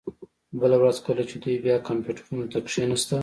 بله ورځ کله چې دوی بیا کمپیوټرونو ته کښیناستل